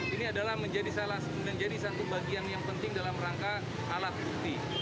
ini adalah menjadi satu bagian yang penting dalam rangka alat bukti